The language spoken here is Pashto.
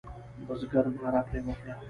بزګر ناره پر وکړه.